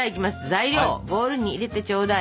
材料をボウルに入れてちょうだい。